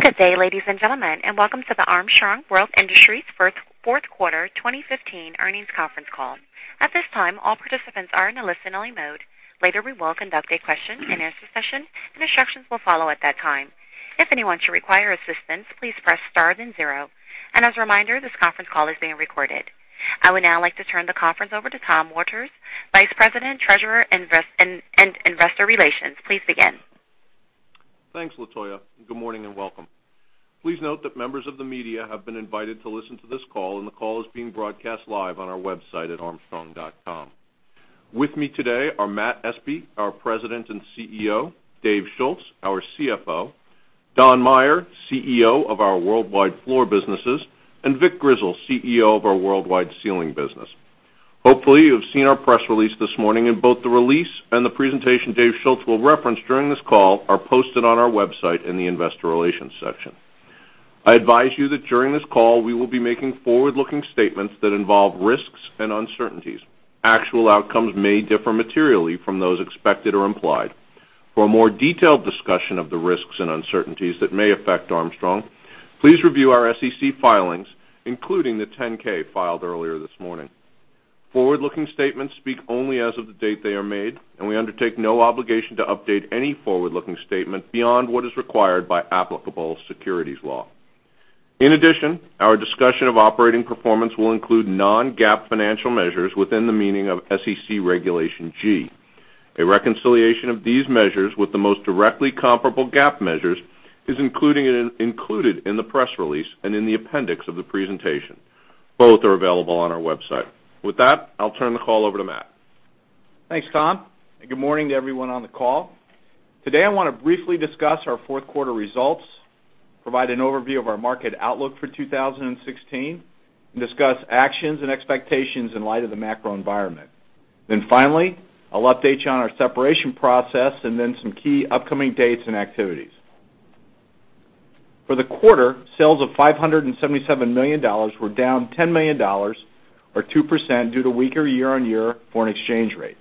Good day, ladies and gentlemen, and welcome to the Armstrong World Industries' fourth quarter 2015 earnings conference call. At this time, all participants are in a listen-only mode. Later, we will conduct a question and answer session, and instructions will follow at that time. If anyone should require assistance, please press star then zero, and as a reminder, this conference call is being recorded. I would now like to turn the conference over to Tom Waters, Vice President, Treasurer, and Investor Relations. Please begin. Thanks, Latoya. Good morning and welcome. Please note that members of the media have been invited to listen to this call, and the call is being broadcast live on our website at armstrong.com. With me today are Matt Espe, our President and CEO, Dave Schulz, our CFO, Don Meyer, CEO of our worldwide floor businesses, and Vic Grizzle, CEO of our worldwide ceiling business. Hopefully, you've seen our press release this morning and both the release and the presentation Dave Schulz will reference during this call are posted on our website in the investor relations section. I advise you that during this call, we will be making forward-looking statements that involve risks and uncertainties. Actual outcomes may differ materially from those expected or implied. For a more detailed discussion of the risks and uncertainties that may affect Armstrong, please review our SEC filings, including the 10-K filed earlier this morning. Forward-looking statements speak only as of the date they are made, and we undertake no obligation to update any forward-looking statement beyond what is required by applicable securities law. In addition, our discussion of operating performance will include non-GAAP financial measures within the meaning of SEC Regulation G. A reconciliation of these measures with the most directly comparable GAAP measures is included in the press release and in the appendix of the presentation. Both are available on our website. With that, I'll turn the call over to Matt. Thanks, Tom, and good morning to everyone on the call. Today, I want to briefly discuss our fourth quarter results, provide an overview of our market outlook for 2016, and discuss actions and expectations in light of the macro environment. Then finally, I'll update you on our separation process and then some key upcoming dates and activities. For the quarter, sales of $577 million were down $10 million, or 2%, due to weaker year-on-year foreign exchange rates.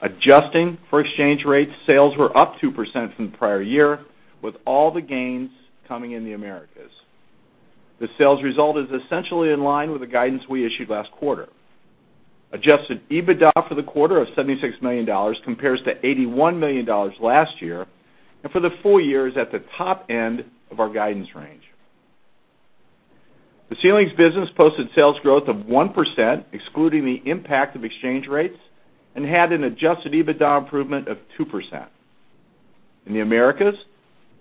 Adjusting for exchange rates, sales were up 2% from the prior year, with all the gains coming in the Americas. The sales result is essentially in line with the guidance we issued last quarter. Adjusted EBITDA for the quarter of $76 million compares to $81 million last year, and for the full year is at the top end of our guidance range. The ceilings business posted sales growth of 1% excluding the impact of exchange rates and had an adjusted EBITDA improvement of 2%. In the Americas,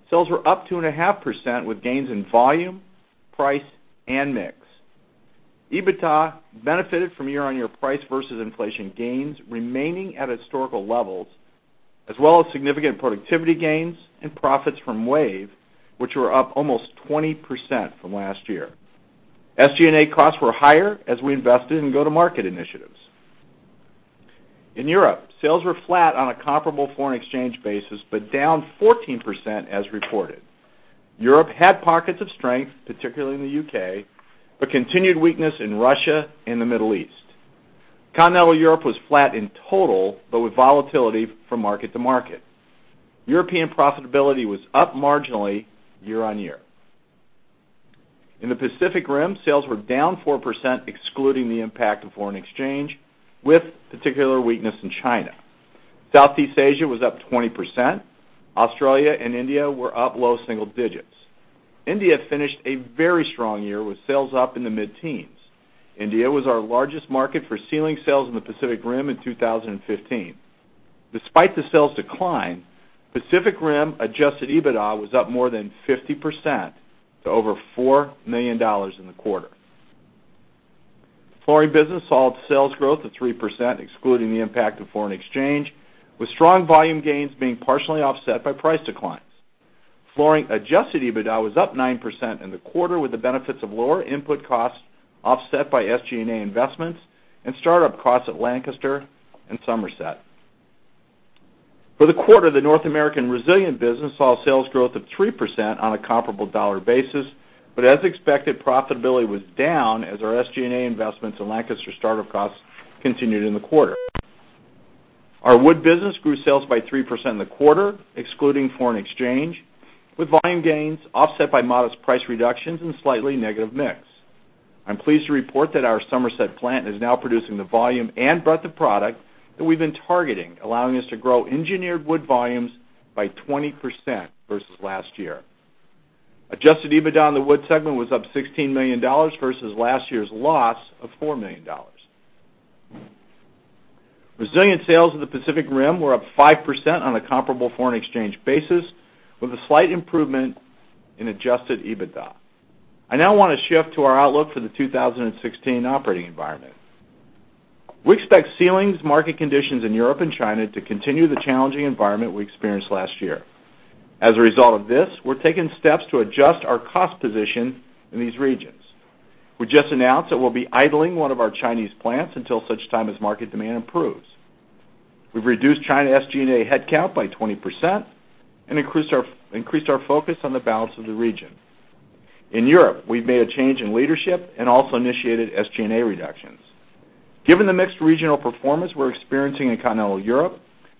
sales were up 2.5% with gains in volume, price, and mix. EBITDA benefited from year-on-year price versus inflation gains remaining at historical levels, as well as significant productivity gains and profits from WAVE, which were up almost 20% from last year. SG&A costs were higher as we invested in go-to-market initiatives. In Europe, sales were flat on a comparable foreign exchange basis but down 14% as reported. Europe had pockets of strength, particularly in the U.K., but continued weakness in Russia and the Middle East. Continental Europe was flat in total, but with volatility from market to market. European profitability was up marginally year-on-year. In the Pacific Rim, sales were down 4%, excluding the impact of foreign exchange, with particular weakness in China. Southeast Asia was up 20%. Australia and India were up low single digits. India finished a very strong year with sales up in the mid-teens. India was our largest market for ceiling sales in the Pacific Rim in 2015. Despite the sales decline, Pacific Rim adjusted EBITDA was up more than 50% to over $4 million in the quarter. The flooring business saw sales growth of 3%, excluding the impact of foreign exchange, with strong volume gains being partially offset by price declines. Flooring adjusted EBITDA was up 9% in the quarter, with the benefits of lower input costs offset by SG&A investments and start-up costs at Lancaster and Somerset. For the quarter, the North American resilient business saw sales growth of 3% on a comparable dollar basis, but as expected, profitability was down as our SG&A investments and Lancaster start-up costs continued in the quarter. Our wood business grew sales by 3% in the quarter, excluding foreign exchange, with volume gains offset by modest price reductions and slightly negative mix. I'm pleased to report that our Somerset plant is now producing the volume and breadth of product that we've been targeting, allowing us to grow engineered wood volumes by 20% versus last year. Adjusted EBITDA in the wood segment was up $16 million versus last year's loss of $4 million. Resilient sales in the Pacific Rim were up 5% on a comparable foreign exchange basis, with a slight improvement in adjusted EBITDA. I now want to shift to our outlook for the 2016 operating environment. We expect ceilings market conditions in Europe and China to continue the challenging environment we experienced last year. As a result of this, we're taking steps to adjust our cost position in these regions. We just announced that we'll be idling one of our Chinese plants until such time as market demand improves. We've reduced China SG&A headcount by 20% and increased our focus on the balance of the region. In Europe, we've made a change in leadership and also initiated SG&A reductions. Given the mixed regional performance we're experiencing in Continental Europe,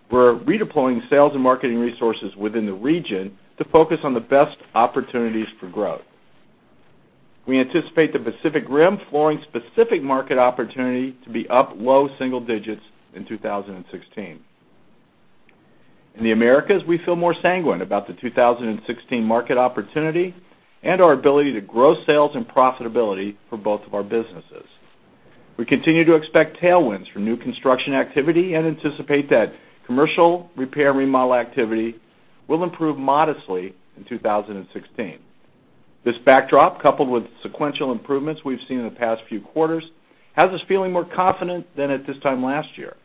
we're redeploying sales and marketing resources within the region to focus on the best opportunities for growth. We anticipate the Pacific Rim flooring specific market opportunity to be up low single digits in 2016. In the Americas, we feel more sanguine about the 2016 market opportunity and our ability to grow sales and profitability for both of our businesses. We continue to expect tailwinds from new construction activity and anticipate that commercial repair and remodel activity will improve modestly in 2016. This backdrop, coupled with sequential improvements we've seen in the past few quarters, has us feeling more confident than at this time last year.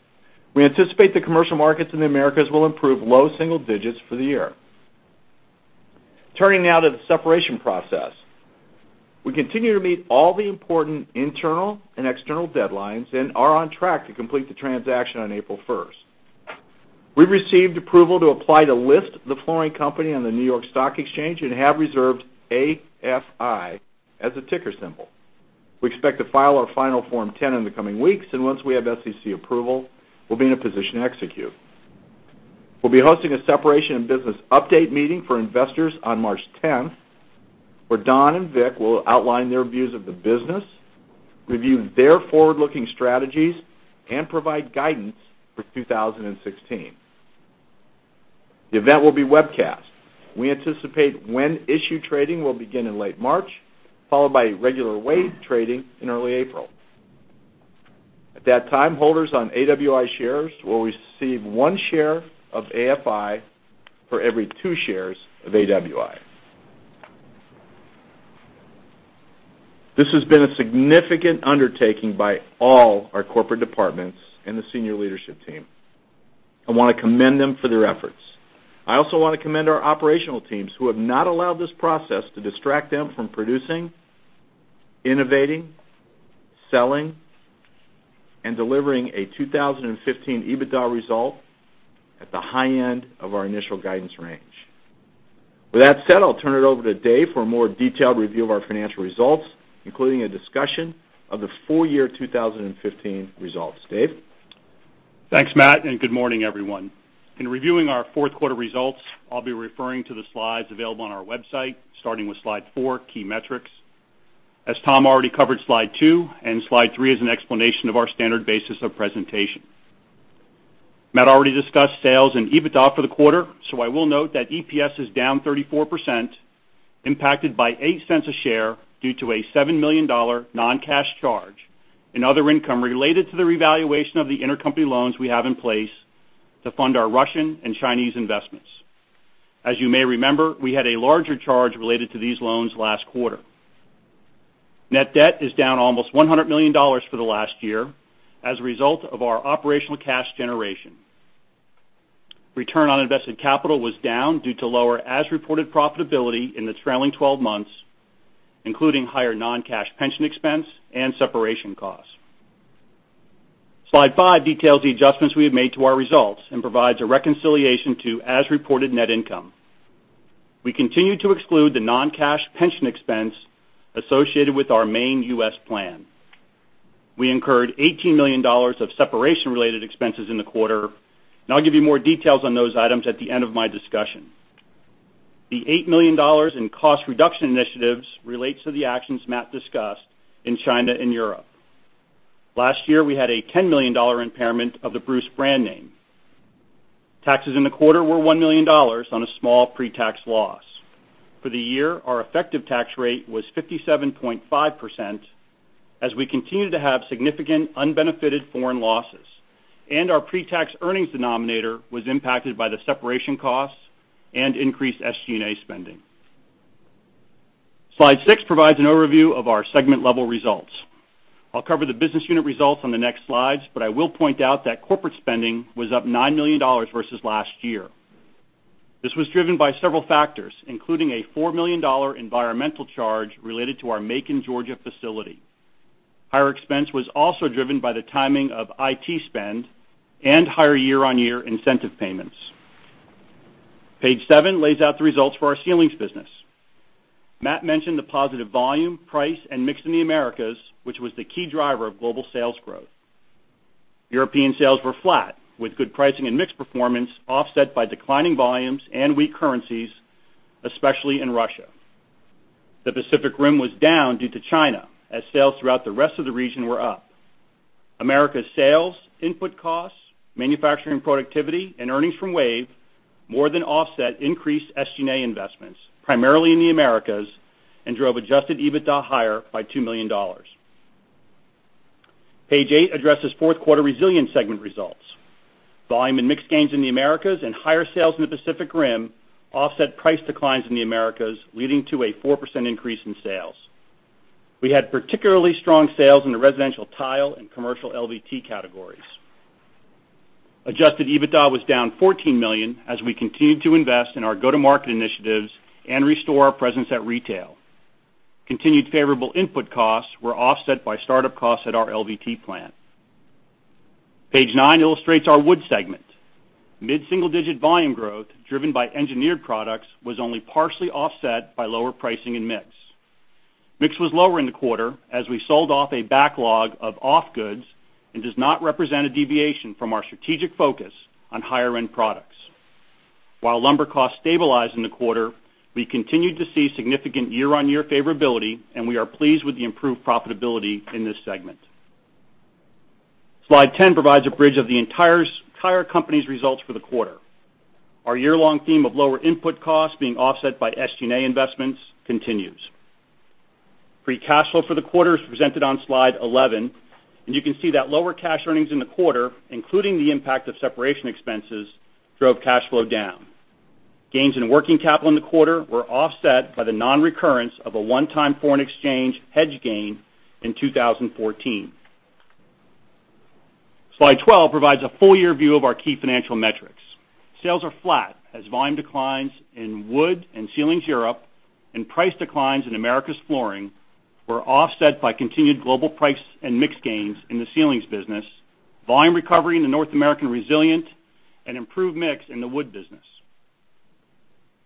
We anticipate the commercial markets in the Americas will improve low single digits for the year. Turning now to the separation process. We continue to meet all the important internal and external deadlines and are on track to complete the transaction on April 1st. We've received approval to apply to list the flooring company on the New York Stock Exchange and have reserved AFI as a ticker symbol. We expect to file our final Form 10 in the coming weeks, and once we have SEC approval, we'll be in a position to execute. We'll be hosting a separation and business update meeting for investors on March 10th, where Don and Vic will outline their views of the business, review their forward-looking strategies, and provide guidance for 2016. The event will be webcast. We anticipate when-issued trading will begin in late March, followed by regular-way trading in early April. At that time, holders on AWI shares will receive one share of AFI for every two shares of AWI. This has been a significant undertaking by all our corporate departments and the senior leadership team. I want to commend them for their efforts. I also want to commend our operational teams who have not allowed this process to distract them from producing, innovating, selling, and delivering a 2015 EBITDA result at the high end of our initial guidance range. With that said, I'll turn it over to Dave for a more detailed review of our financial results, including a discussion of the full year 2015 results. Dave? Thanks, Matt, good morning, everyone. In reviewing our fourth quarter results, I'll be referring to the slides available on our website, starting with Slide four, Key Metrics. As Tom already covered Slide two and Slide three as an explanation of our standard basis of presentation. Matt already discussed sales and EBITDA for the quarter, so I will note that EPS is down 34%, impacted by $0.08 a share due to a $7 million non-cash charge in other income related to the revaluation of the intercompany loans we have in place to fund our Russian and Chinese investments. As you may remember, we had a larger charge related to these loans last quarter. Net debt is down almost $100 million for the last year as a result of our operational cash generation. Return on invested capital was down due to lower as-reported profitability in the trailing 12 months, including higher non-cash pension expense and separation costs. Slide five details the adjustments we have made to our results and provides a reconciliation to as-reported net income. We continue to exclude the non-cash pension expense associated with our main U.S. plan. We incurred $18 million of separation-related expenses in the quarter, and I'll give you more details on those items at the end of my discussion. The $8 million in cost reduction initiatives relates to the actions Matt discussed in China and Europe. Last year, we had a $10 million impairment of the Bruce brand name. Taxes in the quarter were $1 million on a small pre-tax loss. For the year, our effective tax rate was 57.5% as we continue to have significant unbenefited foreign losses, and our pre-tax earnings denominator was impacted by the separation costs and increased SG&A spending. Slide six provides an overview of our segment-level results. I'll cover the business unit results on the next slides, but I will point out that corporate spending was up $9 million versus last year. This was driven by several factors, including a $4 million environmental charge related to our Macon, Georgia facility. Higher expense was also driven by the timing of IT spend and higher year-on-year incentive payments. Page seven lays out the results for our ceilings business. Matt mentioned the positive volume, price, and mix in the Americas, which was the key driver of global sales growth. European sales were flat with good pricing and mix performance offset by declining volumes and weak currencies, especially in Russia. The Pacific Rim was down due to China as sales throughout the rest of the region were up. Americas sales, input costs, manufacturing productivity, and earnings from WAVE more than offset increased SG&A investments, primarily in the Americas, and drove adjusted EBITDA higher by $2 million. Page eight addresses fourth quarter resilient segment results. Volume and mix gains in the Americas and higher sales in the Pacific Rim offset price declines in the Americas, leading to a 4% increase in sales. We had particularly strong sales in the residential tile and commercial LVT categories. Adjusted EBITDA was down $14 million as we continued to invest in our go-to-market initiatives and restore our presence at retail. Continued favorable input costs were offset by startup costs at our LVT plant. Page nine illustrates our wood segment. Mid-single-digit volume growth driven by engineered products was only partially offset by lower pricing and mix. Mix was lower in the quarter as we sold off a backlog of off goods and does not represent a deviation from our strategic focus on higher-end products. While lumber costs stabilized in the quarter, we continued to see significant year-on-year favorability, and we are pleased with the improved profitability in this segment. Slide 10 provides a bridge of the entire company's results for the quarter. Our year-long theme of lower input costs being offset by SG&A investments continues. Free cash flow for the quarter is presented on slide 11, and you can see that lower cash earnings in the quarter, including the impact of separation expenses, drove cash flow down. Gains in working capital in the quarter were offset by the non-recurrence of a one-time foreign exchange hedge gain in 2014. Slide 12 provides a full-year view of our key financial metrics. Sales are flat as volume declines in wood and ceilings Europe and price declines in Americas flooring were offset by continued global price and mix gains in the ceilings business, volume recovery in the North American resilient, and improved mix in the wood business.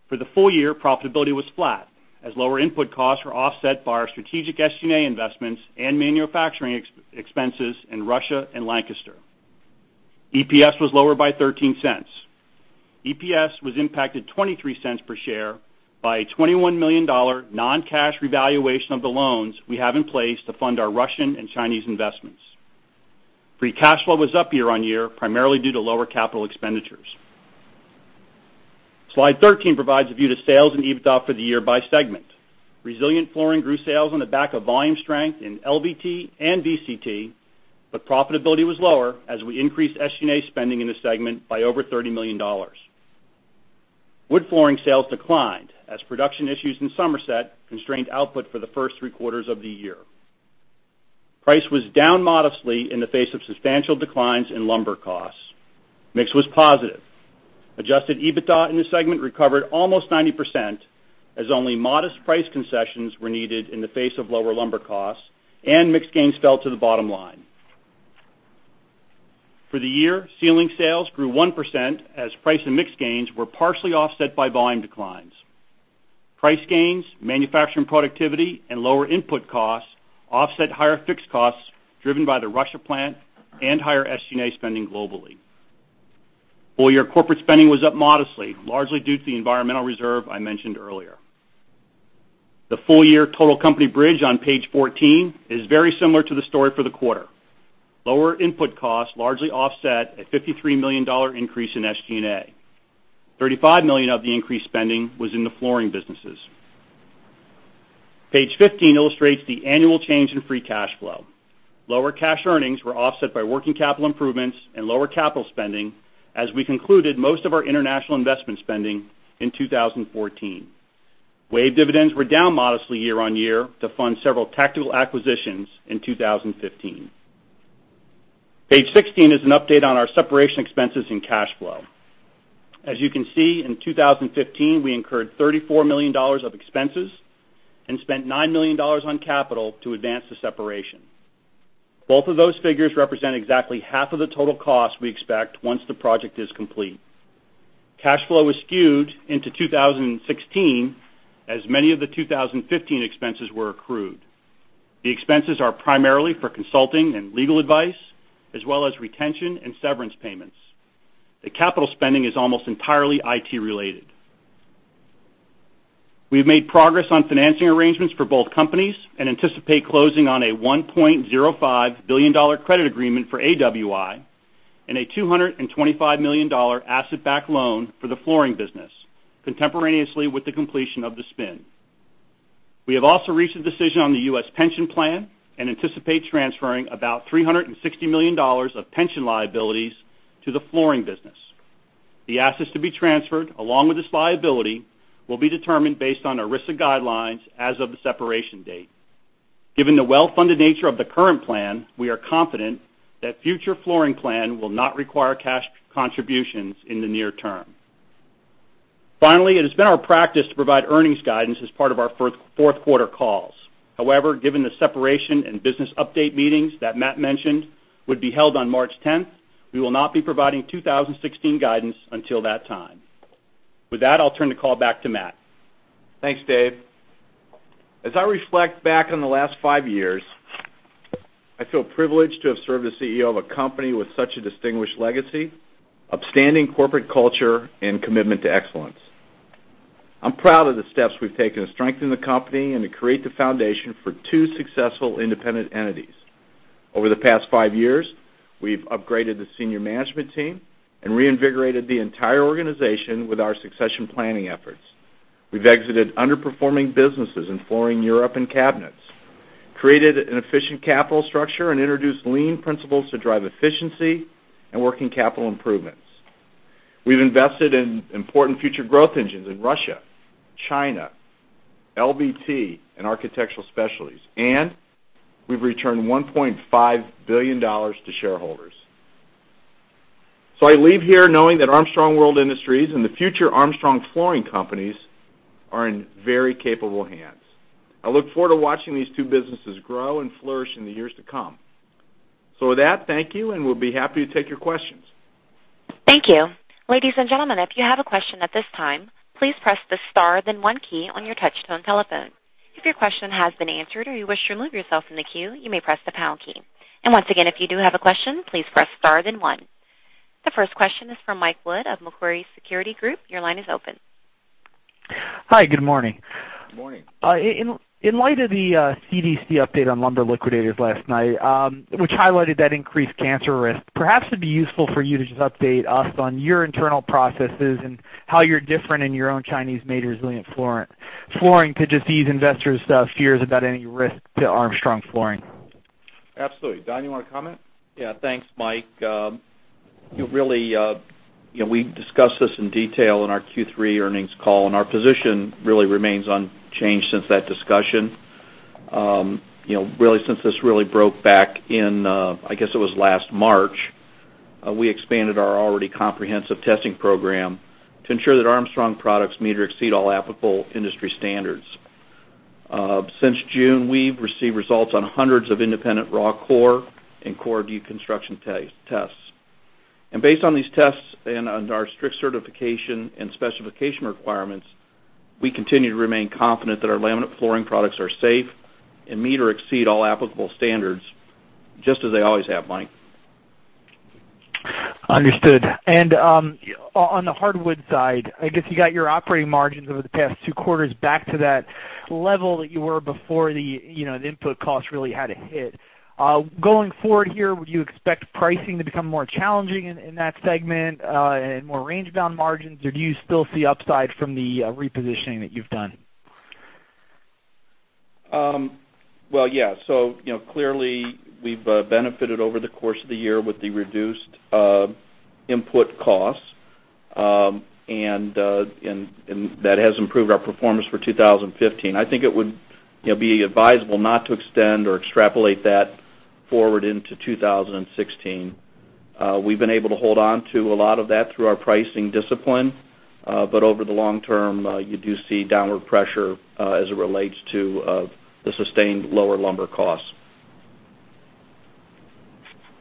For the full year, profitability was flat as lower input costs were offset by our strategic SG&A investments and manufacturing expenses in Russia and Lancaster. EPS was lower by $0.13. EPS was impacted $0.23 per share by a $21 million non-cash revaluation of the loans we have in place to fund our Russian and Chinese investments. Free cash flow was up year-on-year, primarily due to lower capital expenditures. Slide 13 provides a view to sales and EBITDA for the year by segment. Resilient flooring grew sales on the back of volume strength in LVT and VCT, but profitability was lower as we increased SG&A spending in the segment by over $30 million. Wood flooring sales declined as production issues in Somerset constrained output for the first three quarters of the year. Price was down modestly in the face of substantial declines in lumber costs. Mix was positive. Adjusted EBITDA in this segment recovered almost 90% as only modest price concessions were needed in the face of lower lumber costs, and mix gains fell to the bottom line. For the year, ceiling sales grew 1% as price and mix gains were partially offset by volume declines. Price gains, manufacturing productivity, and lower input costs offset higher fixed costs driven by the Russia plant and higher SG&A spending globally. Full-year corporate spending was up modestly, largely due to the environmental reserve I mentioned earlier. The full-year total company bridge on page 14 is very similar to the story for the quarter. Lower input costs largely offset a $53 million increase in SG&A. $35 million of the increased spending was in the flooring businesses. Page 15 illustrates the annual change in free cash flow. Lower cash earnings were offset by working capital improvements and lower capital spending as we concluded most of our international investment spending in 2014. WAVE dividends were down modestly year-on-year to fund several tactical acquisitions in 2015. Page 16 is an update on our separation expenses and cash flow. As you can see, in 2015, we incurred $34 million of expenses and spent $9 million on capital to advance the separation. Both of those figures represent exactly half of the total cost we expect once the project is complete. Cash flow was skewed into 2016, as many of the 2015 expenses were accrued. The expenses are primarily for consulting and legal advice, as well as retention and severance payments. The capital spending is almost entirely IT related. We've made progress on financing arrangements for both companies and anticipate closing on a $1.05 billion credit agreement for AWI and a $225 million asset-backed loan for the flooring business contemporaneously with the completion of the spin. We have also reached a decision on the U.S. pension plan and anticipate transferring about $360 million of pension liabilities to the flooring business. The assets to be transferred, along with this liability, will be determined based on ERISA guidelines as of the separation date. Given the well-funded nature of the current plan, we are confident that future flooring plan will not require cash contributions in the near term. Finally, it has been our practice to provide earnings guidance as part of our fourth-quarter calls. However, given the separation and business update meetings that Matt mentioned would be held on March 10th, we will not be providing 2016 guidance until that time. I'll turn the call back to Matt. Thanks, Dave. As I reflect back on the last five years, I feel privileged to have served as CEO of a company with such a distinguished legacy, upstanding corporate culture, and commitment to excellence. I'm proud of the steps we've taken to strengthen the company and to create the foundation for two successful independent entities. Over the past five years, we've upgraded the senior management team and reinvigorated the entire organization with our succession planning efforts. We've exited underperforming businesses in flooring Europe and cabinets, created an efficient capital structure, and introduced lean principles to drive efficiency and working capital improvements. We've invested in important future growth engines in Russia, China, LVT, and Architectural Specialties, and we've returned $1.5 billion to shareholders. I leave here knowing that Armstrong World Industries and the future Armstrong Flooring companies are in very capable hands. I look forward to watching these two businesses grow and flourish in the years to come. With that, thank you, and we'll be happy to take your questions. Thank you. Ladies and gentlemen, if you have a question at this time, please press the star, then one key on your touch-tone telephone. If your question has been answered or you wish to remove yourself from the queue, you may press the pound key. Once again, if you do have a question, please press star then one. The first question is from Michael Wood of Macquarie Securities Group. Your line is open. Hi, good morning. Morning. In light of the CDC update on Lumber Liquidators last night, which highlighted that increased cancer risk, perhaps it'd be useful for you to just update us on your internal processes and how you're different in your own Chinese-made resilient flooring to just ease investors' fears about any risk to Armstrong Flooring. Absolutely. Don, you want to comment? Yeah. Thanks, Mike. Our position really remains unchanged since that discussion. Really, since this really broke back in, I guess, it was last March, we expanded our already comprehensive testing program to ensure that Armstrong products meet or exceed all applicable industry standards. Since June, we've received results on hundreds of independent raw core and core deconstruction tests. Based on these tests and on our strict certification and specification requirements, we continue to remain confident that our laminate flooring products are safe and meet or exceed all applicable standards, just as they always have, Mike. Understood. On the hardwood side, I guess you got your operating margins over the past two quarters back to that level that you were before the input costs really had a hit. Going forward here, would you expect pricing to become more challenging in that segment, and more range-bound margins? Or do you still see upside from the repositioning that you've done? Well, yeah. Clearly, we've benefited over the course of the year with the reduced input costs, and that has improved our performance for 2015. I think it would be advisable not to extend or extrapolate that forward into 2016. We've been able to hold on to a lot of that through our pricing discipline. Over the long term, you do see downward pressure, as it relates to the sustained lower lumber costs.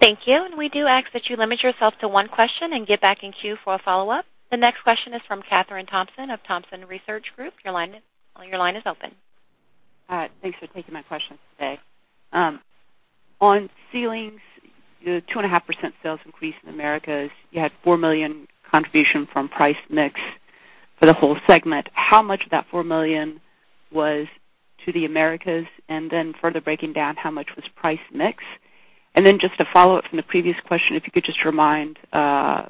Thank you. We do ask that you limit yourself to one question and get back in queue for a follow-up. The next question is from Kathryn Thompson of Thompson Research Group. Your line is open. Thanks for taking my question today. On ceilings, your 2.5% sales increase in Americas, you had $4 million contribution from price mix for the whole segment. How much of that $4 million was to the Americas, and then further breaking down, how much was price mix? Then just to follow up from the previous question, if you could just remind us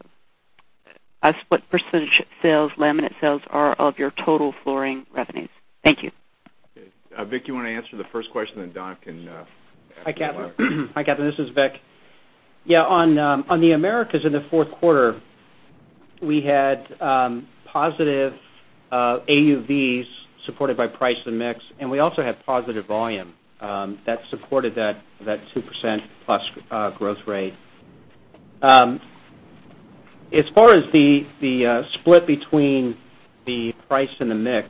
what percentage laminate sales are of your total flooring revenues. Thank you. Vic, you want to answer the first question, then Don can. Hi, Kathryn. This is Vic. Yeah, on the Americas in the fourth quarter, we had positive AUVs supported by price and mix, we also had positive volume that supported that 2%+ growth rate. As far as the split between the price and the mix,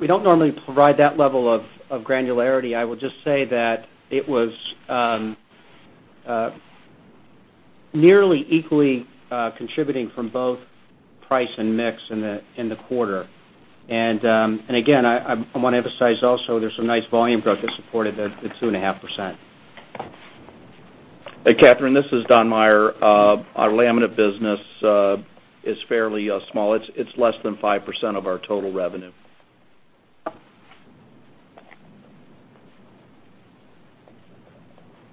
we don't normally provide that level of granularity. I will just say that it was nearly equally contributing from both price and mix in the quarter. Again, I want to emphasize also, there's some nice volume growth that supported the 2.5%. Hey, Kathryn, this is Don Meyer. Our laminate business is fairly small. It's less than 5% of our total revenue.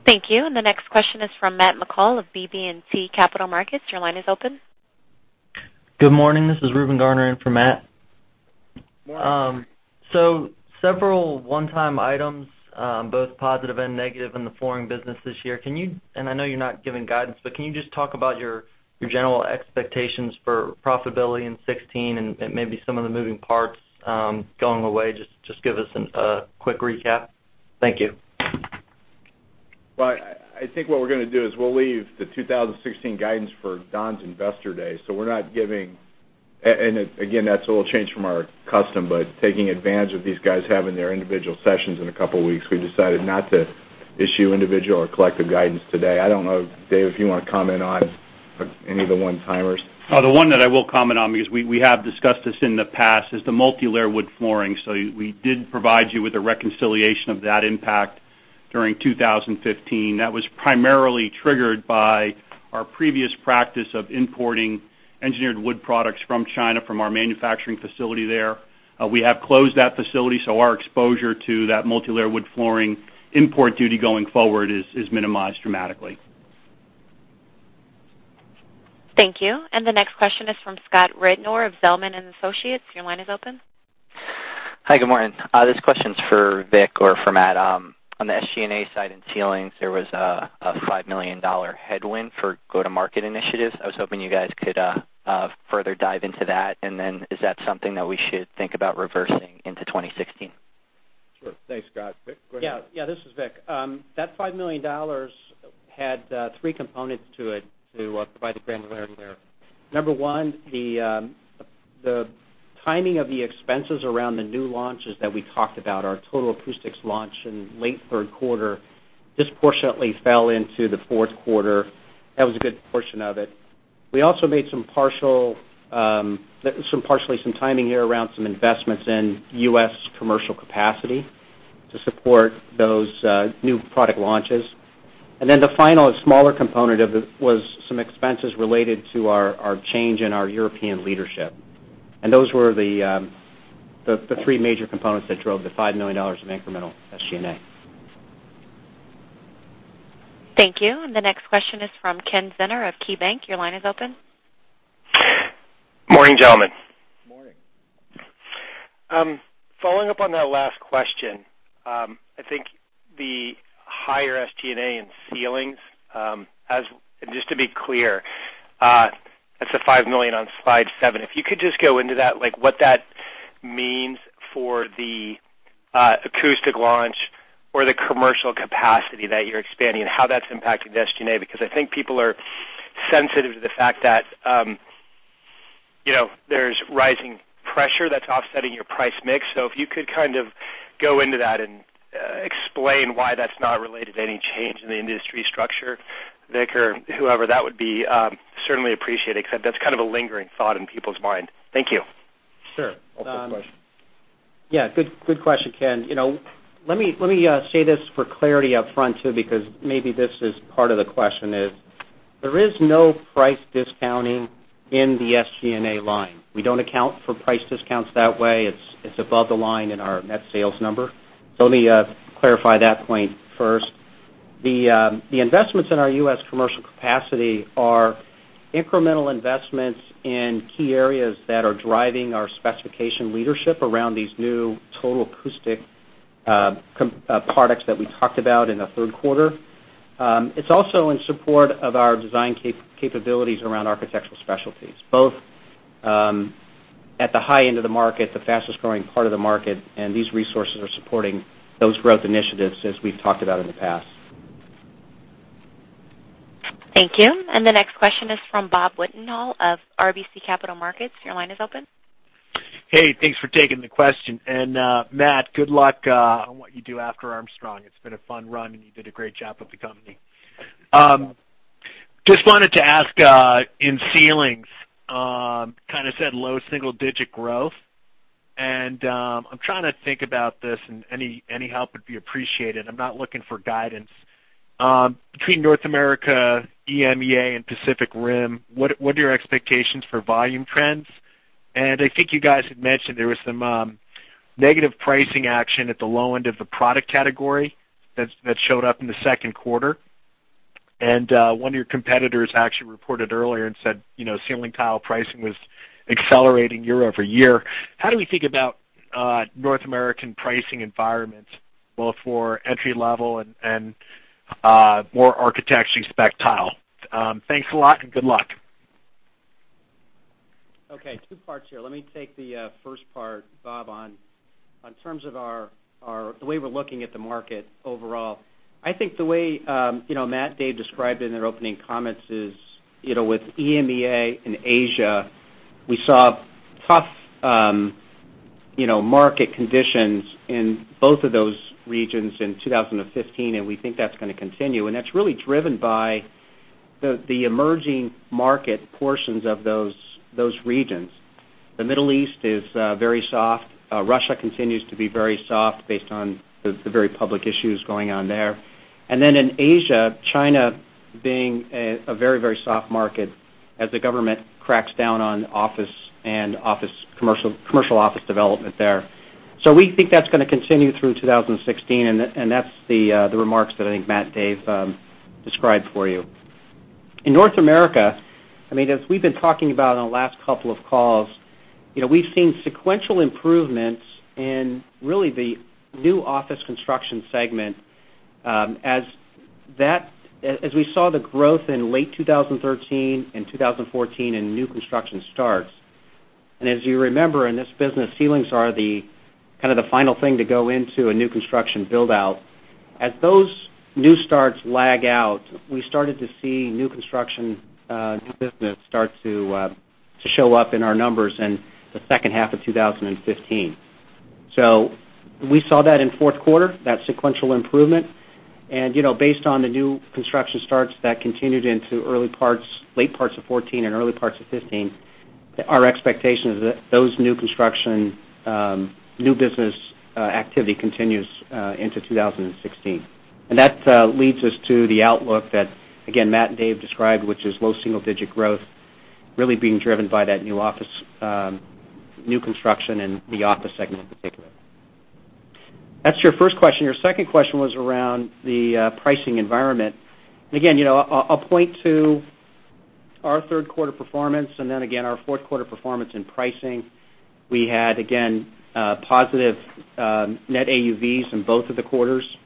Thank you. The next question is from Matt McCall of BB&T Capital Markets. Your line is open. Good morning. This is Reuben Garner in for Matt. Morning. Several one-time items, both positive and negative in the flooring business this year. I know you're not giving guidance, but can you just talk about your general expectations for profitability in 2016 and maybe some of the moving parts going away, just give us a quick recap? Thank you. Well, I think what we're going to do is we'll leave the 2016 guidance for Don's Investor Day. Again, that's a little change from our custom, but taking advantage of these guys having their individual sessions in a couple of weeks, we decided not to issue individual or collective guidance today. I don't know, Dave, if you want to comment on any of the one-timers. The one that I will comment on, because we have discussed this in the past, is the multi-layer wood flooring. We did provide you with a reconciliation of that impact during 2015. That was primarily triggered by our previous practice of importing engineered wood products from China, from our manufacturing facility there. We have closed that facility, our exposure to that multi-layer wood flooring import duty going forward is minimized dramatically. Thank you. The next question is from Scott Rednor of Zelman & Associates. Your line is open. Hi, good morning. This question's for Vic or for Matt. On the SG&A side in ceilings, there was a $5 million headwind for go-to-market initiatives. I was hoping you guys could further dive into that. Is that something that we should think about reversing into 2016? Sure. Thanks, Scott. Vic, go ahead. Yeah, this is Vic. That $5 million had three components to it, to provide the granularity there. Number 1, the timing of the expenses around the new launches that we talked about, our Total Acoustics launch in late third quarter, disproportionately fell into the fourth quarter. That was a good portion of it. We also made partially some timing here around some investments in U.S. commercial capacity to support those new product launches. The final smaller component of it was some expenses related to our change in our European leadership. Those were the three major components that drove the $5 million of incremental SG&A. Thank you. The next question is from Ken Zener of KeyBank. Your line is open. Morning, gentlemen. Morning. Following up on that last question. I think the higher SG&A in ceilings, just to be clear, that's the $5 million on slide seven. If you could just go into that, like what that means for the acoustic launch or the commercial capacity that you're expanding and how that's impacting SG&A. I think people are sensitive to the fact that there's rising pressure that's offsetting your price mix. If you could kind of go into that and explain why that's not related to any change in the industry structure, Vic or whoever, that would be certainly appreciated, because that's kind of a lingering thought in people's mind. Thank you. Sure. That's a good question. Yeah, good question, Ken. Let me say this for clarity up front, too, because maybe this is part of the question is, there is no price discounting in the SG&A line. We don't account for price discounts that way. It's above the line in our net sales number. Let me clarify that point first. The investments in our U.S. commercial capacity are incremental investments in key areas that are driving our specification leadership around these new Total Acoustics products that we talked about in the third quarter. It's also in support of our design capabilities around Architectural Specialties, both at the high end of the market, the fastest-growing part of the market, these resources are supporting those growth initiatives as we've talked about in the past. Thank you. The next question is from Robert Wetenhall of RBC Capital Markets. Your line is open. Hey, thanks for taking the question. Matt, good luck on what you do after Armstrong. It's been a fun run, and you did a great job with the company. Just wanted to ask, in ceilings, you kind of said low single-digit growth. I'm trying to think about this, and any help would be appreciated. I'm not looking for guidance. Between North America, EMEA, and Pacific Rim, what are your expectations for volume trends? I think you guys had mentioned there was some negative pricing action at the low end of the product category that showed up in the second quarter. One of your competitors actually reported earlier and said ceiling tile pricing was accelerating year-over-year. How do we think about North American pricing environments, both for entry level and more architecturally spec tile? Thanks a lot, and good luck. Okay, two parts here. Let me take the first part, Bob, on terms of the way we're looking at the market overall. I think the way Matt and Dave described it in their opening comments is, with EMEA and Asia, we saw tough market conditions in both of those regions in 2015, and we think that's going to continue. That's really driven by the emerging market portions of those regions. The Middle East is very soft. Russia continues to be very soft based on the very public issues going on there. Then in Asia, China being a very soft market as the government cracks down on office and commercial office development there. We think that's going to continue through 2016. That's the remarks that I think Matt and Dave described for you. As we've been talking about on the last couple of calls, we've seen sequential improvements in really the new office construction segment as we saw the growth in late 2013 and 2014 in new construction starts. As you remember, in this business, ceilings are kind of the final thing to go into a new construction build-out. As those new starts lag out, we started to see new construction, new business start to show up in our numbers in the second half of 2015. We saw that in the fourth quarter, that sequential improvement. Based on the new construction starts that continued into late parts of 2014 and early parts of 2015, our expectation is that those new construction, new business activity continues into 2016. That leads us to the outlook that, again, Matt and Dave described, which is low single-digit growth really being driven by that new construction in the office segment in particular. That's your first question. Your second question was around the pricing environment. Again, I'll point to our third-quarter performance and then again our fourth-quarter performance in pricing. We had, again, positive net AUVs in both of the quarters.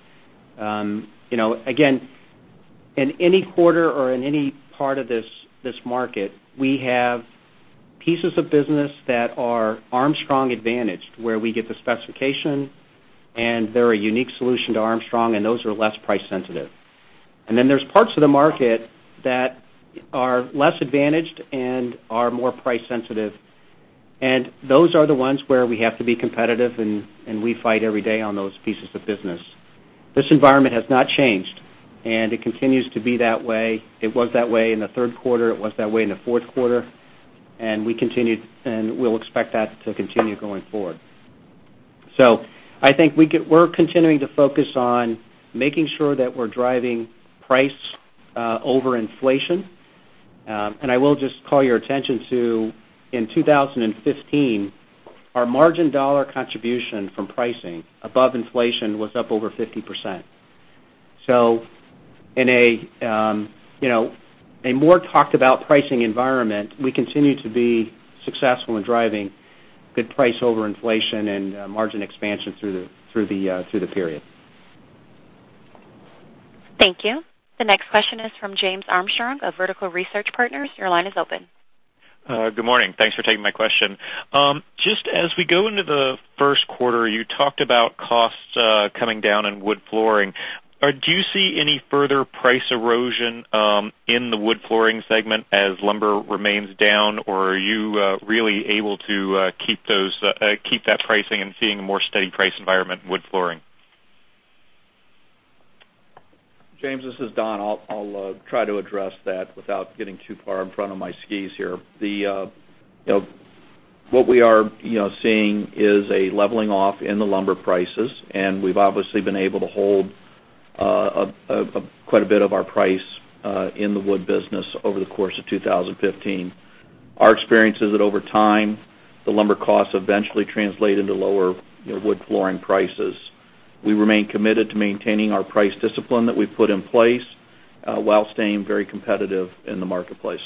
In any quarter or in any part of this market, we have pieces of business that are Armstrong advantaged, where we get the specification, and they're a unique solution to Armstrong, and those are less price sensitive. Then there's parts of the market that are less advantaged and are more price sensitive. Those are the ones where we have to be competitive, and we fight every day on those pieces of business. This environment has not changed, and it continues to be that way. It was that way in the third quarter, it was that way in the fourth quarter, and we'll expect that to continue going forward. I think we're continuing to focus on making sure that we're driving price over inflation. I will just call your attention to, in 2015, our margin dollar contribution from pricing above inflation was up over 50%. In a more talked about pricing environment, we continue to be successful in driving good price over inflation and margin expansion through the period. Thank you. The next question is from James Armstrong of Vertical Research Partners. Your line is open. Good morning. Thanks for taking my question. Just as we go into the first quarter, you talked about costs coming down in wood flooring. Do you see any further price erosion in the wood flooring segment as lumber remains down, or are you really able to keep that pricing and seeing a more steady price environment in wood flooring? James, this is Don. I'll try to address that without getting too far in front of my skis here. What we are seeing is a leveling off in the lumber prices, and we've obviously been able to hold quite a bit of our price in the wood business over the course of 2015. Our experience is that over time, the lumber costs eventually translate into lower wood flooring prices. We remain committed to maintaining our price discipline that we've put in place while staying very competitive in the marketplace.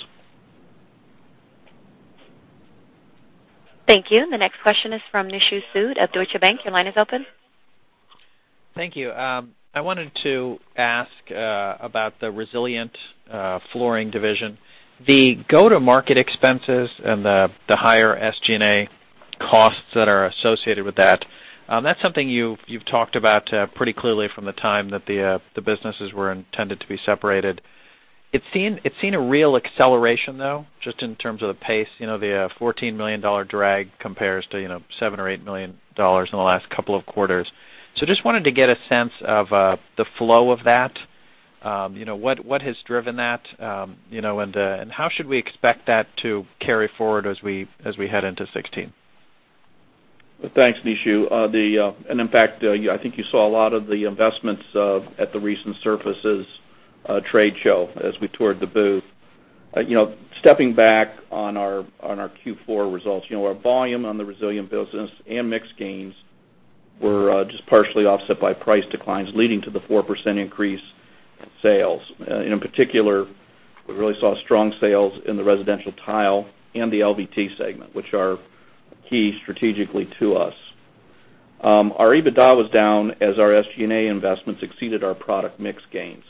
Thank you. The next question is from Nishu Sood of Deutsche Bank. Your line is open. Thank you. I wanted to ask about the resilient flooring division. The go-to-market expenses and the higher SG&A costs that are associated with that's something you've talked about pretty clearly from the time that the businesses were intended to be separated. It's seen a real acceleration, though, just in terms of the pace. The $14 million drag compares to $7 million or $8 million in the last couple of quarters. Just wanted to get a sense of the flow of that. What has driven that, and how should we expect that to carry forward as we head into 2016? Thanks, Nishu. In fact, I think you saw a lot of the investments at the recent Surfaces trade show as we toured the booth. Stepping back on our Q4 results, our volume on the resilient business and mix gains were just partially offset by price declines, leading to the 4% increase in sales. In particular, we really saw strong sales in the residential tile and the LVT segment, which are key strategically to us. Our EBITDA was down as our SG&A investments exceeded our product mix gains.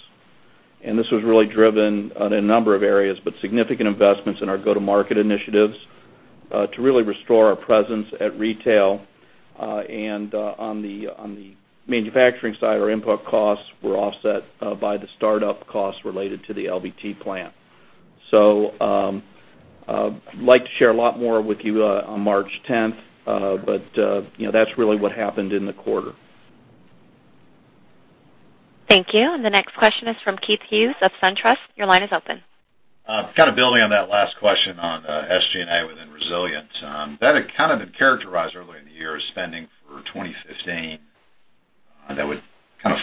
This was really driven on a number of areas, but significant investments in our go-to-market initiatives, to really restore our presence at retail. On the manufacturing side, our input costs were offset by the startup costs related to the LVT plant. Like to share a lot more with you on March 10th, but that's really what happened in the quarter. Thank you. The next question is from Keith Hughes of SunTrust. Your line is open. Building on that last question on SG&A within resilient. That had been characterized earlier in the year as spending for 2015 that would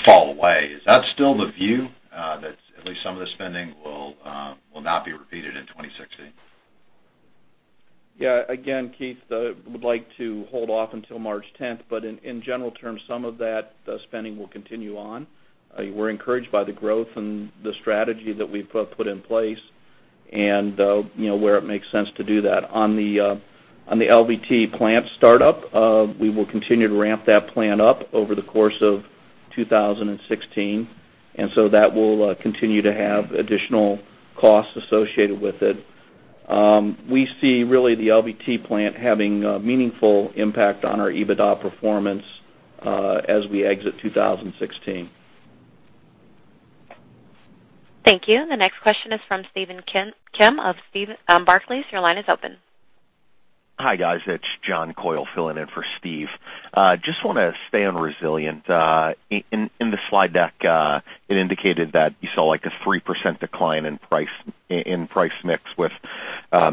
fall away. Is that still the view, that at least some of the spending will not be repeated in 2016? Yeah. Again, Keith, would like to hold off until March 10, but in general terms, some of that spending will continue on. We're encouraged by the growth and the strategy that we've put in place, and where it makes sense to do that. On the LVT plant startup, we will continue to ramp that plant up over the course of 2016, that will continue to have additional costs associated with it. We see really the LVT plant having a meaningful impact on our EBITDA performance as we exit 2016. Thank you. The next question is from Steven Kim of Barclays. Your line is open. Hi, guys. It's John Coyle filling in for Steve. Want to stay on resilient. In the slide deck, it indicated that you saw a 3% decline in price mix with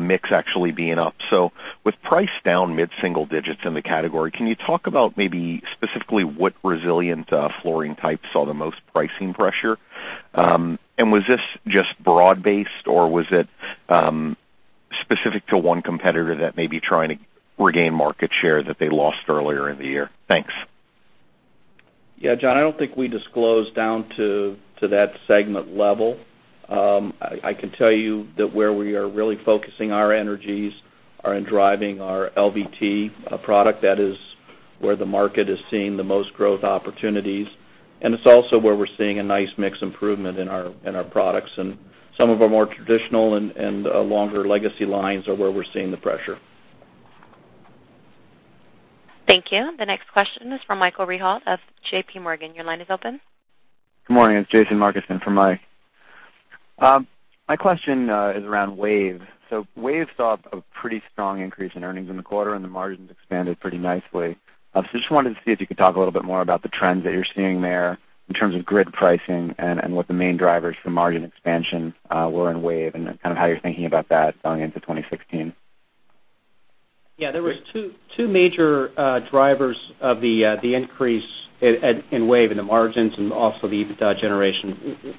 mix actually being up. With price down mid-single digits in the category, can you talk about maybe specifically what resilient flooring types saw the most pricing pressure? Was this just broad-based, or was it specific to one competitor that may be trying to regain market share that they lost earlier in the year? Thanks. Yeah, John, I don't think we disclose down to that segment level. I can tell you that where we are really focusing our energies are in driving our LVT product that is Where the market is seeing the most growth opportunities, and it's also where we're seeing a nice mix improvement in our products. Some of our more traditional and longer legacy lines are where we're seeing the pressure. Thank you. The next question is from Michael Rehaut of JPMorgan. Your line is open. Good morning. It's Jason Markson for Mike. My question is around WAVE. WAVE saw a pretty strong increase in earnings in the quarter, and the margins expanded pretty nicely. Just wanted to see if you could talk a little bit more about the trends that you're seeing there in terms of grid pricing and what the main drivers for margin expansion were in WAVE, and kind of how you're thinking about that going into 2016. Yeah, there was two major drivers of the increase in WAVE, in the margins and also the EBITDA generation.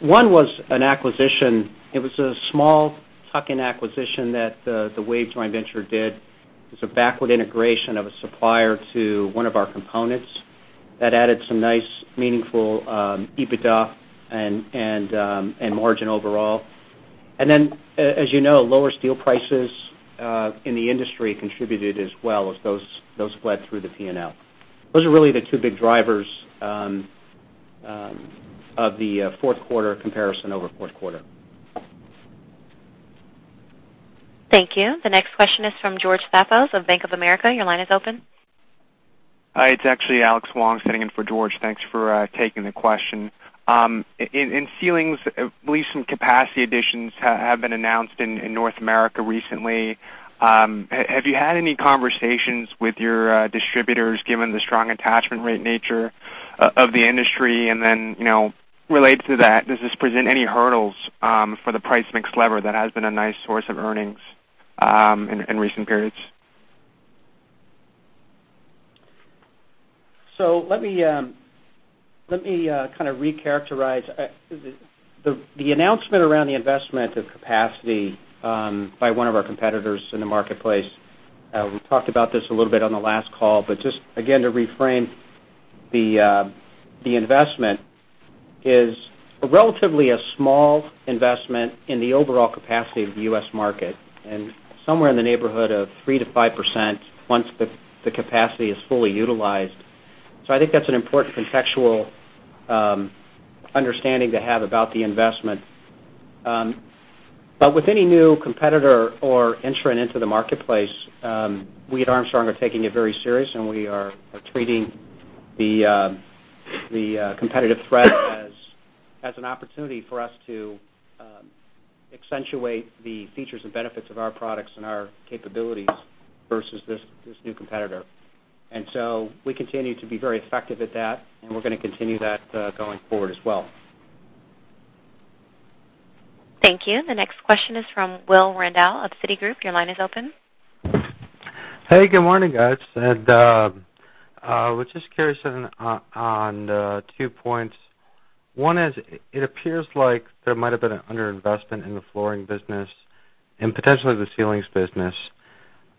One was an acquisition. It was a small tuck-in acquisition that the WAVE joint venture did. It was a backward integration of a supplier to one of our components that added some nice meaningful EBITDA and margin overall. As you know, lower steel prices in the industry contributed as well as those bled through the P&L. Those are really the two big drivers of the fourth quarter comparison over fourth quarter. Thank you. The next question is from George Staphos of Bank of America. Your line is open. Hi, it's actually Alex Wong sitting in for George. Thanks for taking the question. In ceilings, at least some capacity additions have been announced in North America recently. Have you had any conversations with your distributors, given the strong attachment rate nature of the industry? Related to that, does this present any hurdles for the price mix lever that has been a nice source of earnings in recent periods? Let me kind of recharacterize. The announcement around the investment of capacity by one of our competitors in the marketplace, we talked about this a little bit on the last call, but just again to reframe, the investment is relatively a small investment in the overall capacity of the U.S. market and somewhere in the neighborhood of 3%-5% once the capacity is fully utilized. I think that's an important contextual understanding to have about the investment. With any new competitor or entrant into the marketplace, we at Armstrong are taking it very serious, and we are treating the competitive threat as an opportunity for us to accentuate the features and benefits of our products and our capabilities versus this new competitor. We continue to be very effective at that, and we're going to continue that going forward as well. Thank you. The next question is from Will Randall of Citigroup. Your line is open. Hey, good morning, guys. Was just curious on two points. One is, it appears like there might have been an underinvestment in the flooring business and potentially the ceilings business.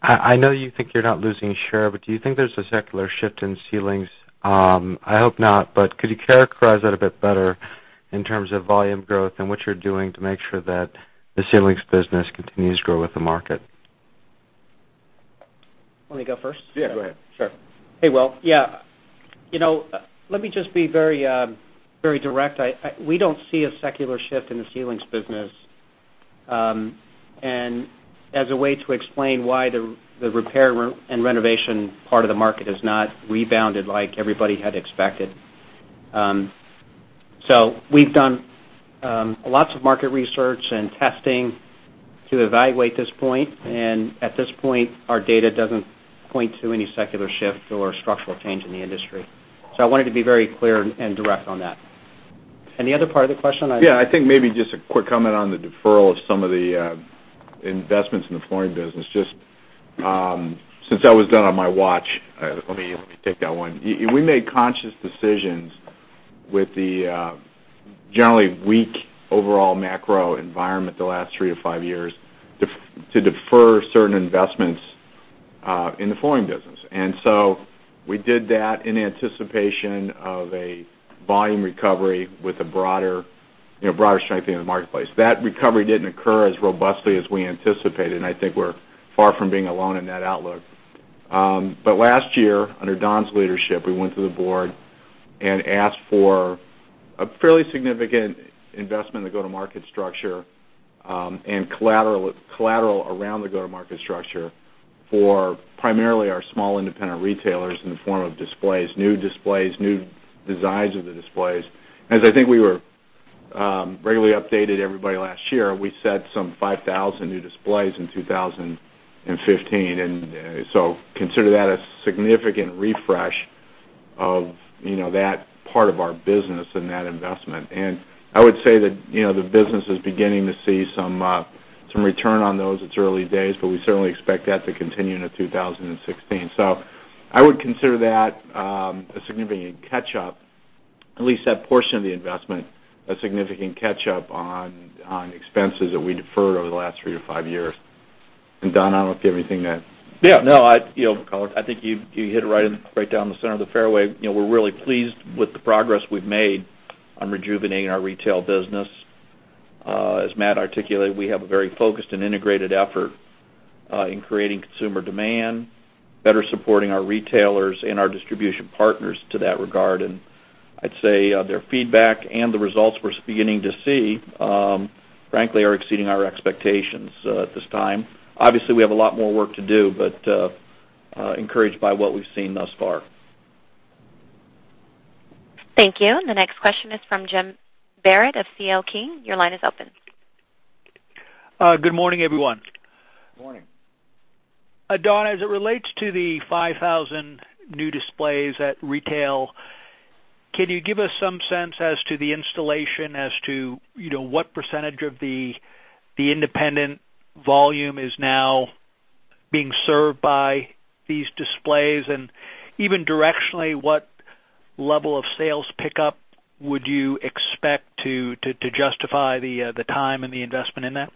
I know you think you're not losing share, but do you think there's a secular shift in ceilings? I hope not, but could you characterize that a bit better in terms of volume growth and what you're doing to make sure that the ceilings business continues to grow with the market? Want me to go first? Yeah, go ahead. Sure. Hey, Will. Let me just be very direct. We don't see a secular shift in the ceilings business. As a way to explain why, the repair and renovation part of the market has not rebounded like everybody had expected. We've done lots of market research and testing to evaluate this point. At this point, our data doesn't point to any secular shift or structural change in the industry. I wanted to be very clear and direct on that. The other part of the question? Yeah, I think maybe just a quick comment on the deferral of some of the investments in the flooring business, just since that was done on my watch, let me take that one. We made conscious decisions with the generally weak overall macro environment the last three to five years to defer certain investments in the flooring business. We did that in anticipation of a volume recovery with a broader strengthening of the marketplace. That recovery didn't occur as robustly as we anticipated. I think we're far from being alone in that outlook. Last year, under Don's leadership, we went to the board and asked for a fairly significant investment in the go-to-market structure and collateral around the go-to-market structure for primarily our small independent retailers in the form of displays, new displays, new designs of the displays. As I think we regularly updated everybody last year, we set some 5,000 new displays in 2015. Consider that a significant refresh of that part of our business and that investment. I would say that the business is beginning to see some return on those. It's early days, but we certainly expect that to continue into 2016. I would consider that a significant catch-up, at least that portion of the investment, a significant catch-up on expenses that we deferred over the last three to five years. Don, I don't know if you have anything to add. Yeah, no, I think you hit it right down the center of the fairway. We're really pleased with the progress we've made on rejuvenating our retail business As Matt articulated, we have a very focused and integrated effort in creating consumer demand, better supporting our retailers and our distribution partners to that regard. I'd say their feedback and the results we're beginning to see, frankly, are exceeding our expectations at this time. Obviously, we have a lot more work to do, but encouraged by what we've seen thus far. Thank you. The next question is from Jim Barrett of C.L. King. Your line is open. Good morning, everyone. Good morning. Don, as it relates to the 5,000 new displays at retail, can you give us some sense as to the installation as to what percentage of the independent volume is now being served by these displays? Even directionally, what level of sales pickup would you expect to justify the time and the investment in that?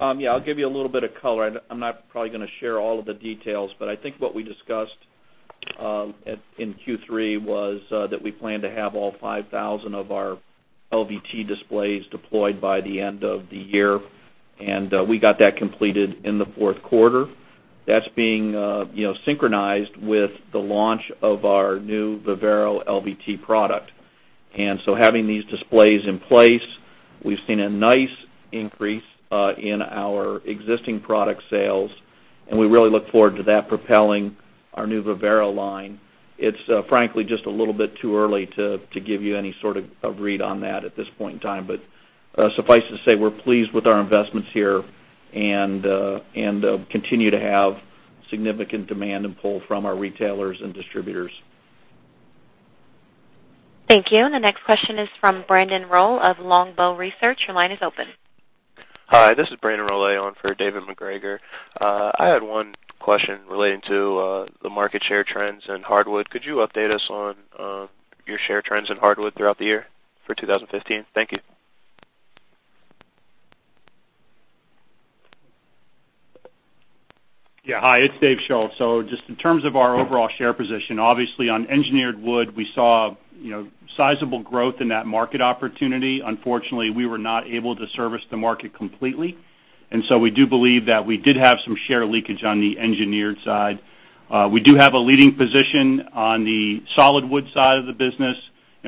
Yeah, I'll give you a little bit of color. I'm not probably going to share all of the details, but I think what we discussed in Q3 was that we plan to have all 5,000 of our LVT displays deployed by the end of the year. We got that completed in the fourth quarter. That's being synchronized with the launch of our new Vivero LVT product. So having these displays in place, we've seen a nice increase in our existing product sales, and we really look forward to that propelling our new Vivero line. It's frankly just a little bit too early to give you any sort of read on that at this point in time. Suffice to say, we're pleased with our investments here, and continue to have significant demand and pull from our retailers and distributors. Thank you. The next question is from Brandon Rolle of Longbow Research. Your line is open. Hi, this is Brandon Rolle, in for David MacGregor. I had one question relating to the market share trends in hardwood. Could you update us on your share trends in hardwood throughout the year for 2015? Thank you. Hi, it's Dave Schulz. Just in terms of our overall share position, obviously on engineered wood, we saw sizable growth in that market opportunity. Unfortunately, we were not able to service the market completely, we do believe that we did have some share leakage on the engineered side. We do have a leading position on the solid wood side of the business.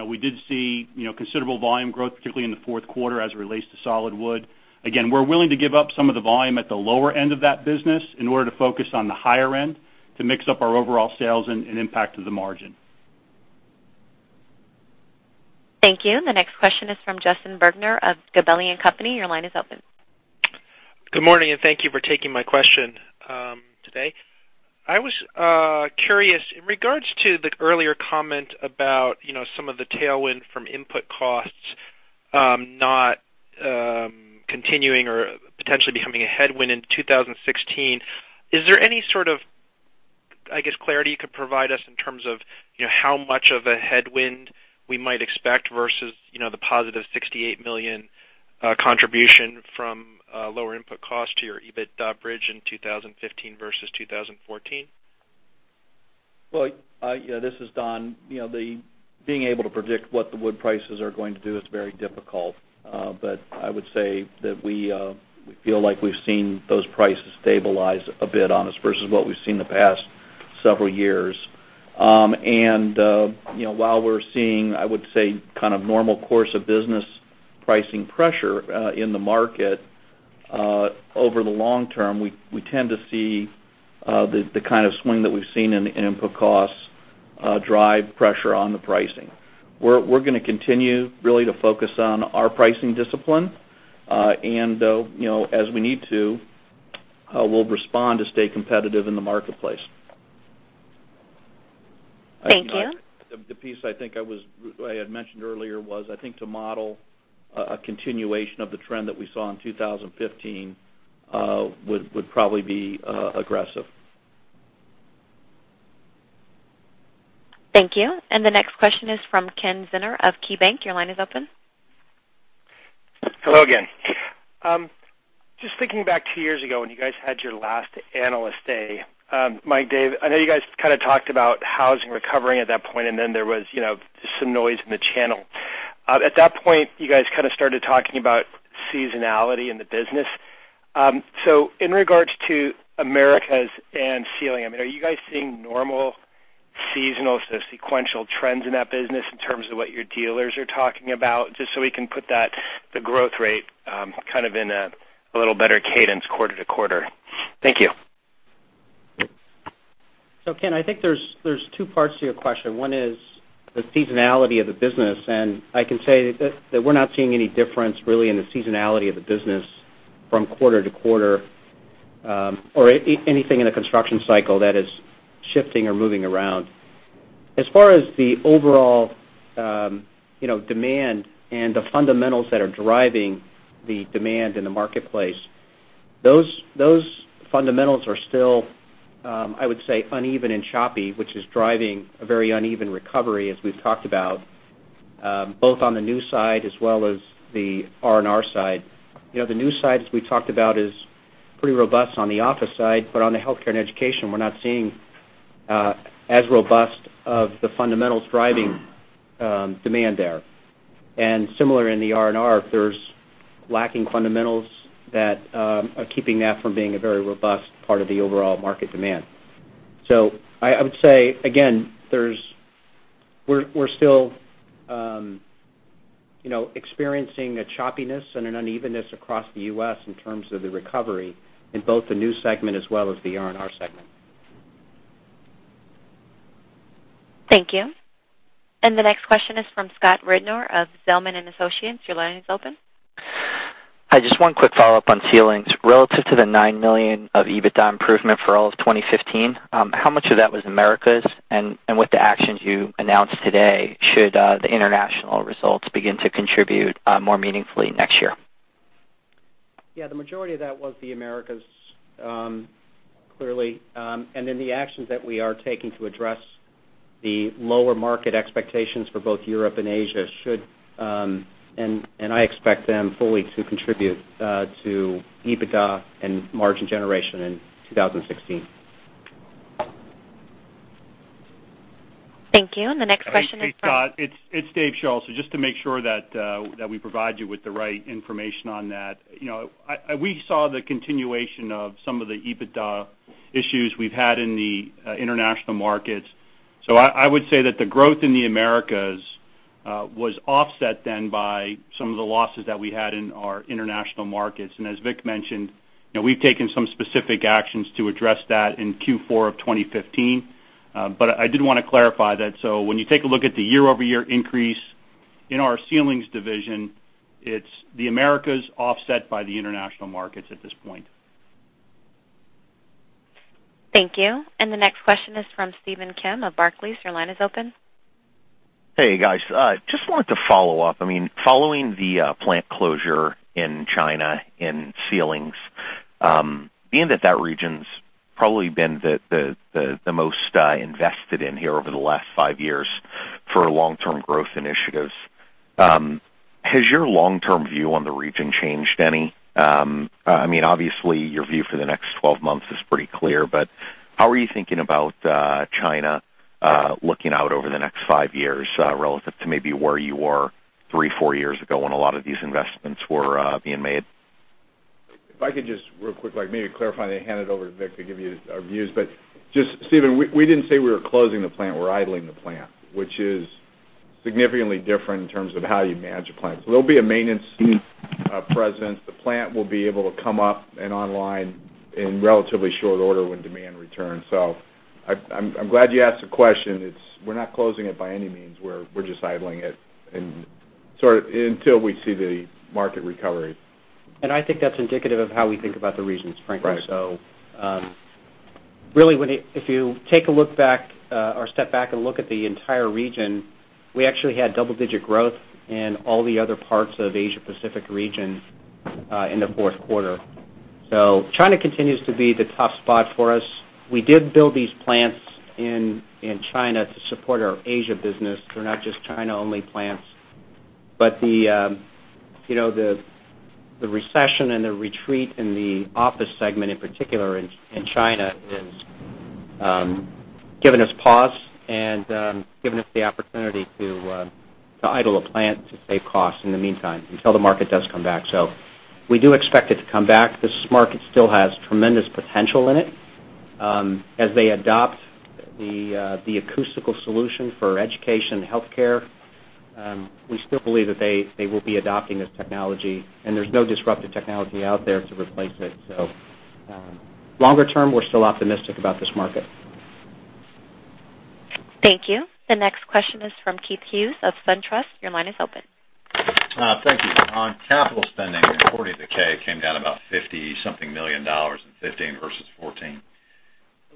We did see considerable volume growth, particularly in the fourth quarter as it relates to solid wood. Again, we're willing to give up some of the volume at the lower end of that business in order to focus on the higher end to mix up our overall sales and impact of the margin. Thank you. The next question is from Justin Bergner of Gabelli & Company. Your line is open. Good morning, thank you for taking my question today. I was curious, in regards to the earlier comment about some of the tailwind from input costs not continuing or potentially becoming a headwind in 2016, is there any sort of, I guess, clarity you could provide us in terms of how much of a headwind we might expect versus the positive $68 million contribution from lower input cost to your EBITDA bridge in 2015 versus 2014? Well, this is Don. Being able to predict what the wood prices are going to do is very difficult. I would say that we feel like we've seen those prices stabilize a bit on us versus what we've seen the past several years. While we're seeing, I would say, kind of normal course of business pricing pressure in the market, over the long term, we tend to see the kind of swing that we've seen in input costs drive pressure on the pricing. We're going to continue really to focus on our pricing discipline. As we need to, we'll respond to stay competitive in the marketplace. Thank you. The piece I think I had mentioned earlier was, I think to model a continuation of the trend that we saw in 2015, would probably be aggressive. Thank you. The next question is from Kenneth Zener of KeyBank. Your line is open. Hello again. Just thinking back two years ago when you guys had your last Analyst Day, Mike, Dave, I know you guys kind of talked about housing recovering at that point, and then there was some noise in the channel. At that point, you guys kind of started talking about seasonality in the business. In regards to Americas and Ceiling, are you guys seeing normal seasonal sequential trends in that business in terms of what your dealers are talking about? Just so we can put the growth rate kind of in a little better cadence quarter-to-quarter. Thank you. Ken, I think there's two parts to your question. One is the seasonality of the business, I can say that we're not seeing any difference really in the seasonality of the business from quarter to quarter or anything in the construction cycle that is shifting or moving around. As far as the overall demand and the fundamentals that are driving the demand in the marketplace, those fundamentals are still, I would say, uneven and choppy, which is driving a very uneven recovery as we've talked about, both on the new side as well as the R&R side. The new side, as we talked about, is pretty robust on the office side, but on the healthcare and education, we're not seeing As robust of the fundamentals driving demand there. Similar in the R&R, there's lacking fundamentals that are keeping that from being a very robust part of the overall market demand. I would say, again, we're still experiencing a choppiness and an unevenness across the U.S. in terms of the recovery in both the new segment as well as the R&R segment. Thank you. The next question is from Scott Rednor of Zelman & Associates. Your line is open. Hi. Just one quick follow-up on ceilings. Relative to the $9 million of EBITDA improvement for all of 2015, how much of that was Americas, with the actions you announced today, should the international results begin to contribute more meaningfully next year? Yeah, the majority of that was the Americas, clearly. The actions that we are taking to address the lower market expectations for both Europe and Asia should, and I expect them fully to contribute to EBITDA and margin generation in 2016. Thank you. The next question is from- Hey, Scott. It's Dave Schulz. Just to make sure that we provide you with the right information on that. We saw the continuation of some of the EBITDA issues we've had in the international markets. I would say that the growth in the Americas was offset then by some of the losses that we had in our international markets. As Vic mentioned, we've taken some specific actions to address that in Q4 of 2015. I did want to clarify that. When you take a look at the year-over-year increase in our ceilings division, it's the Americas offset by the international markets at this point. Thank you. The next question is from Steven Kim of Barclays. Your line is open. Hey, guys. Just wanted to follow up. Following the plant closure in China in ceilings, being that region's probably been the most invested in here over the last five years for long-term growth initiatives, has your long-term view on the region changed any? Obviously, your view for the next 12 months is pretty clear. How are you thinking about China looking out over the next five years relative to maybe where you were three, four years ago when a lot of these investments were being made? If I could just real quick, maybe clarify and then hand it over to Vic to give you our views. Just, Steven, we didn't say we were closing the plant. We're idling the plant, which is significantly different in terms of how you manage a plant. There'll be a maintenance presence. The plant will be able to come up and online in relatively short order when demand returns. I'm glad you asked the question. We're not closing it by any means. We're just idling it until we see the market recovery. I think that's indicative of how we think about the regions, frankly. Right. Really, if you take a look back or step back and look at the entire region, we actually had double-digit growth in all the other parts of Asia Pacific region in the fourth quarter. China continues to be the tough spot for us. We did build these plants in China to support our Asia business. They're not just China-only plants. The recession and the retreat in the office segment, in particular in China, has given us pause and given us the opportunity to idle a plant to save costs in the meantime until the market does come back. We do expect it to come back. This market still has tremendous potential in it. As they adopt the acoustical solution for education and healthcare, we still believe that they will be adopting this technology, and there's no disruptive technology out there to replace it. Longer term, we're still optimistic about this market. Thank you. The next question is from Keith Hughes of SunTrust. Your line is open. Thank you. Don, capital spending, according to the K, came down about $50 something million in 2015 versus 2014.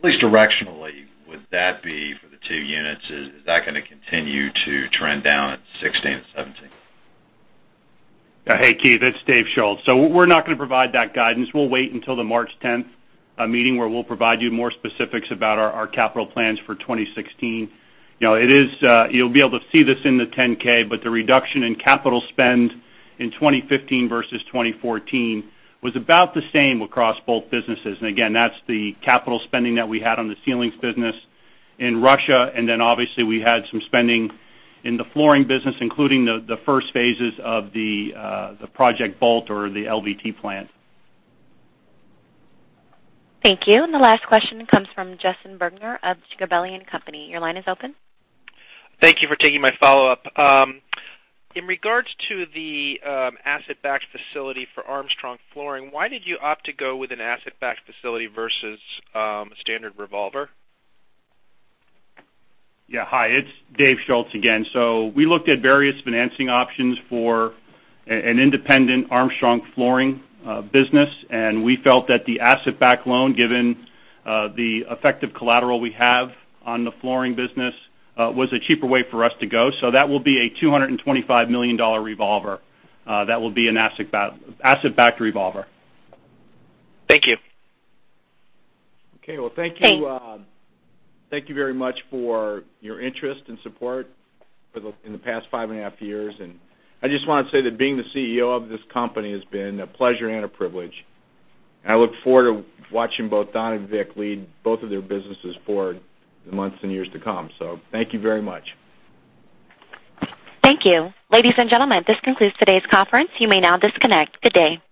At least directionally, would that be for the two units? Is that going to continue to trend down at 2016 and 2017? Hey, Keith, it's Dave Schulz. We're not going to provide that guidance. We'll wait until the March 10th meeting where we'll provide you more specifics about our capital plans for 2016. You'll be able to see this in the 10K, but the reduction in capital spend in 2015 versus 2014 was about the same across both businesses. Again, that's the capital spending that we had on the ceilings business in Russia, and then obviously we had some spending in the flooring business, including the first phases of the Project Bolt or the LVT plant. Thank you. The last question comes from Justin Bergner of Gabelli & Company. Your line is open. Thank you for taking my follow-up. In regards to the asset-backed facility for Armstrong Flooring, why did you opt to go with an asset-backed facility versus a standard revolver? Hi, it's Dave Schulz again. We looked at various financing options for an independent Armstrong Flooring business, and we felt that the asset-backed loan, given the effective collateral we have on the flooring business, was a cheaper way for us to go. That will be a $225 million revolver that will be an asset-backed revolver. Thank you. Okay. Well, thank you. Thanks Thank you very much for your interest and support in the past five and a half years. I just want to say that being the CEO of this company has been a pleasure and a privilege, and I look forward to watching both Don and Vic lead both of their businesses forward in the months and years to come. Thank you very much. Thank you. Ladies and gentlemen, this concludes today's conference. You may now disconnect. Good day.